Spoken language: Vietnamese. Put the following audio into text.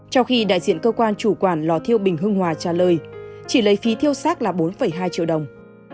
trong khi đại diện cơ quan chủ quản lò thiêu bình hưng hòa trả lời chỉ lấy phí thiêu xác là bốn hai triệu đồng